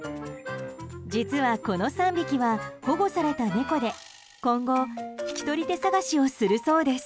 実は、この３匹は保護された猫で今後引き取り手探しをするそうです。